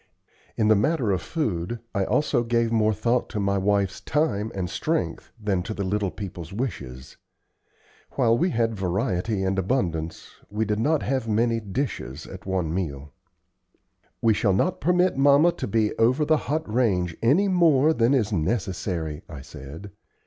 In the matter of food, I also gave more thought to my wife's time and strength than to the little people's wishes. While we had variety and abundance, we did not have many dishes at any one meal. "We shall not permit mamma to be over the hot range any more than is necessary," I said.